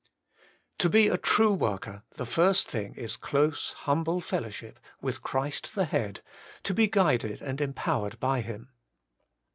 1. To be a true worker the first thing is close, humble fellowship with Christ the Head, to be guided and empowered by Him.